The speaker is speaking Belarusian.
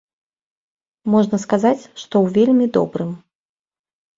Можна сказаць, што ў вельмі добрым.